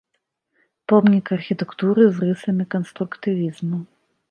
Помнік архітэктуры з рысамі канструктывізму.